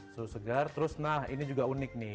suhu segar terus nah ini juga unik nih